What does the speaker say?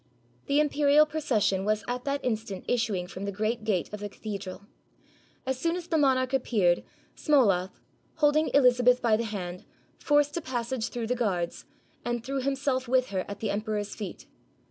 The imperial procession was at that instant issuing from the great gate of the cathedral. As soon as the monarch appeared, Smoloff, holding Elizabeth by the hand, forced a passage through the guards, and threw himself with her at the emperor's feet.